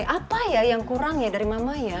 apa ya yang kurang ya dari mama ya